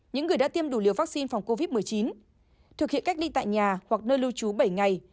những người đã tiêm đủ liều vaccine phòng covid một mươi chín thực hiện cách ly tại nhà hoặc nơi lưu trú bảy ngày